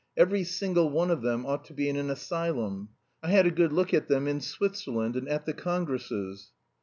Every single one of them ought to be in an asylum; I had a good look at them in Switzerland and at the congresses."